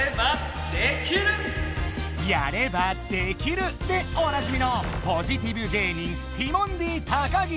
「やればできる！」でおなじみのポジティブ芸人ティモンディ高岸！